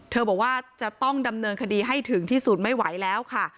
บอกว่าจะต้องดำเนินคดีให้ถึงที่สุดไม่ไหวแล้วค่ะ